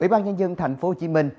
ủy ban nhân dân thành phố hồ chí minh